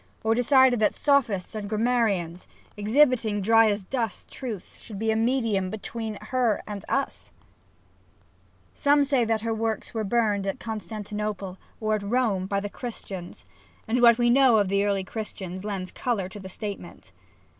or decided that Sophists and Grammarians, exhibiting dry as dust truths, should be a medium between her and us ? Some say that her works were burned at Constantinople, or at Rome, by the Christians, and what we know of the early SAPPHO Christians lends colour to the statement.